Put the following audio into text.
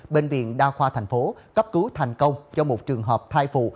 bệnh viện đa khoa tp hcm cấp cứu thành công cho một trường hợp thai phụ